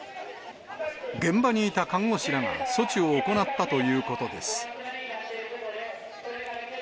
現場にいた看護師らが措置を行ったということです。